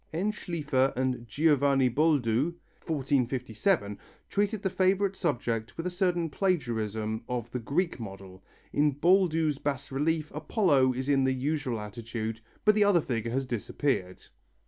N. Schlifer and Giovanni Boldu (1457) treated the favourite subject with a certain plagiarism of the Greek model. In Boldu's bas relief Apollo is in the usual attitude, but the other figure has disappeared.